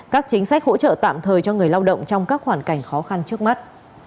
các chính sách hỗ trợ tạm thời cho người lao động trong các hoàn cảnh khó khăn trước mắt